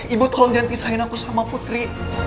ibu tolong jangan pisahin aku sama putri